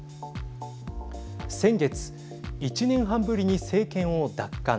先月１年半ぶりに政権を奪還。